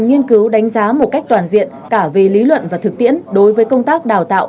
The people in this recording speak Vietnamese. nghiên cứu đánh giá một cách toàn diện cả về lý luận và thực tiễn đối với công tác đào tạo